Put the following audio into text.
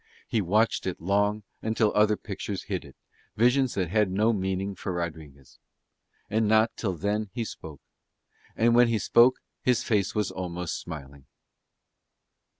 He watched it long until other pictures hid it, visions that had no meaning for Rodriguez. And not till then he spoke. And when he spoke his face was almost smiling.